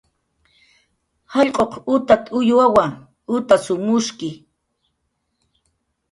"Jallq'uq utat"" uywawa, utasw mushki."